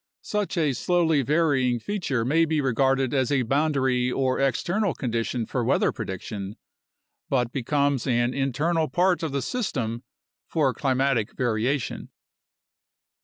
Such a slowly varying feature may be regarded as a boundary or external condition for weather prediction but becomes an internal part of the system for climatic variation.